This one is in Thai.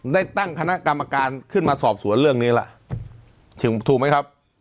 ได้ตั้งคณะกรรมการขึ้นมาสอบสวนเรื่องนี้ล่ะถูกไหมครับ